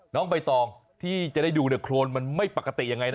น้องใบตองที่จะได้ดูเนี่ยโครนมันไม่ปกติยังไงนะ